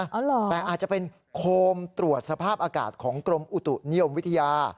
อ๋อเหรอแต่อาจจะเป็นโคมตรวจสภาพอากาศของกรมอุตุนิยมวิทยา